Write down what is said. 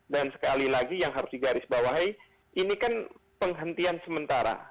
dan sekali lagi yang harus digarisbawahi ini kan penghentian sementara